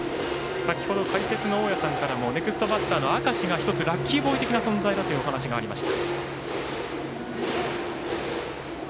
先ほど解説の大矢さんからもネクストバッターの明石がラッキーボーイ的な存在だというお話がありました。